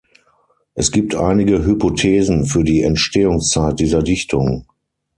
Es gibt einige Hypothesen für die Entstehungszeit dieser Dichtung.